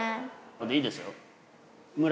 いいですか？